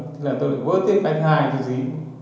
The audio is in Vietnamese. thì tôi lại vớ tiếp bên hai cái dí